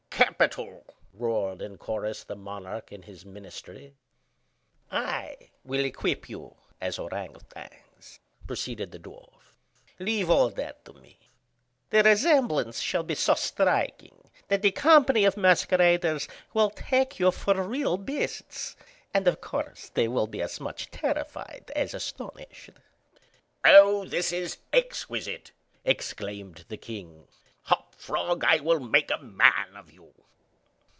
"Capital!" roared in chorus the monarch and his ministry. "I will equip you as ourang outangs," proceeded the dwarf; "leave all that to me. The resemblance shall be so striking, that the company of masqueraders will take you for real beasts—and of course, they will be as much terrified as astonished." "Oh, this is exquisite!" exclaimed the king. "Hop Frog! I will make a man of you."